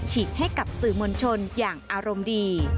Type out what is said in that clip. ให้กับสื่อมวลชนอย่างอารมณ์ดี